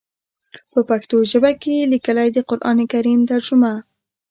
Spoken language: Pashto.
پۀ پښتو ژبه کښې ليکلی د قران کريم ترجمه